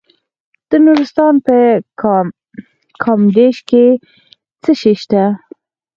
د نورستان په کامدیش کې څه شی شته؟